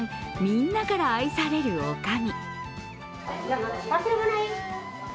みんなから愛される女将。